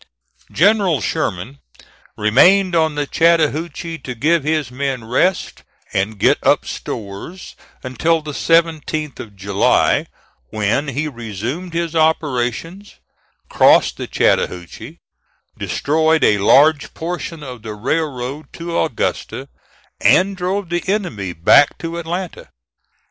General Sherman remained on the Chattahoochee to give his men rest and get up stores until the 17th of July, when he resumed his operations, crossed the Chattahoochee, destroyed a large portion of the railroad to Augusta, and drove the enemy back to Atlanta.